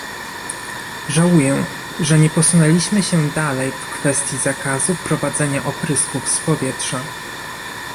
Żałuję, że nie posunęliśmy się dalej w kwestii zakazu prowadzenia oprysków z powietrza